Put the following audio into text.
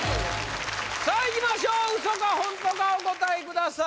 さあいきましょうウソかホントかお答えください